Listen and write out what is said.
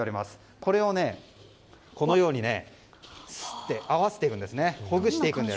これをこのようにすってほぐしていくんです。